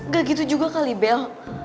gak gitu juga kali bel